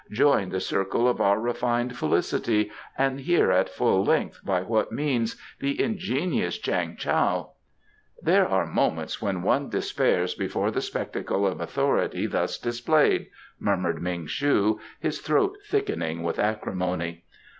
"Join the circle of our refined felicity and hear at full length by what means the ingenious Chang Tao " "There are moments when one despairs before the spectacle of authority thus displayed," murmured Ming shu, his throat thickening with acrimony.